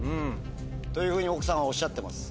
というふうに奥さんはおっしゃってます。